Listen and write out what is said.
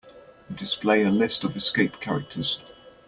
Display a list of escape characters.